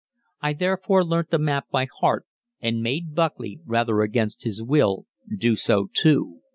I therefore learnt the map by heart, and made Buckley, rather against his will, do so too.